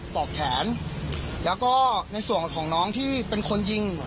บอกแขนแล้วก็ในส่วนของน้องที่เป็นคนยิง